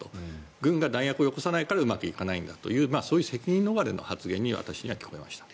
軍が弾薬をよこさないからうまくいかないんだというそういう責任逃れの発言に私は見えました。